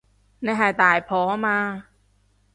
你係大婆嘛